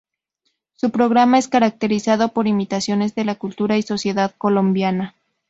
Su programa es caracterizado por imitaciones de la cultura y sociedad colombiana.